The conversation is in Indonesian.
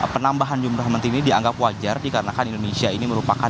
penambahan jumlah menteri ini dianggap wajar dikarenakan indonesia ini merupakan